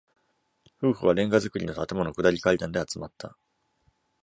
夫婦は、レンガ造りの建物下り階段で、集まった。